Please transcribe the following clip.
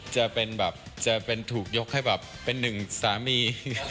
จะเป็นแบบจะเป็นถูกยกให้แบบเป็นหนึ่งสามี